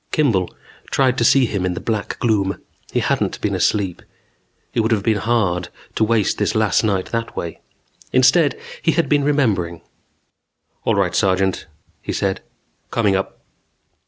Kimball tried to see him in the black gloom. He hadn't been asleep. It would have been hard to waste this last night that way. Instead he had been remembering. "All right, Sergeant," he said. "Coming up."